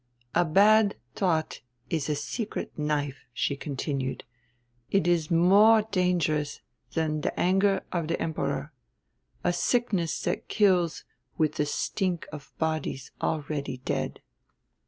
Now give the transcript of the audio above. "A bad thought is a secret knife," she continued; "it is more dangerous than the anger of the Emperor, a sickness that kills with the stink of bodies already dead."